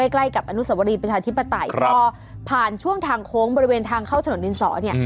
ใกล้กับอนุสวรีประชาธิปไตยพอผ่านช่วงทางโค้งบริเวณทางเข้าถนนดินสอเนี่ย